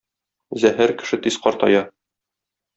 Зәһәр кеше тиз картая.